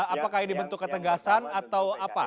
apakah ini bentuk ketegasan atau apa